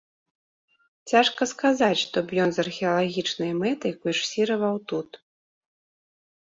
Цяжка сказаць, што б ён з археалагічнай мэтай курсіраваў тут.